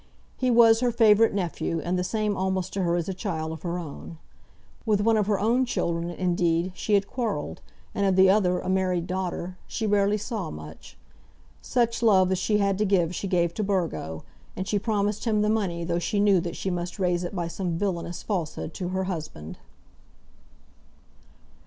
He was her favourite nephew, and the same almost to her as a child of her own. With one of her own children indeed she had quarrelled, and of the other, a married daughter, she rarely saw much. Such love as she had to give she gave to Burgo, and she promised him the money though she knew that she must raise it by some villanous falsehood to her husband.